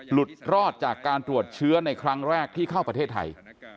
หลุดรอดจากการตรวจเชื้อในครั้งแรกที่เข้าประเทศไทย